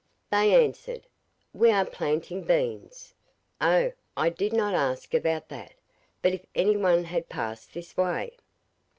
They answered: 'We are planting beans.' 'Oh! I did not ask about that; but if anyone had passed this way.